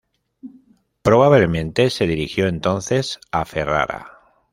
Probablemente se dirigió entonces a Ferrara.